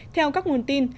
theo các nguồn tin